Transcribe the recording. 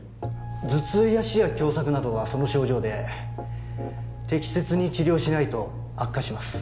頭痛や視野狭窄などはその症状で適切に治療しないと悪化します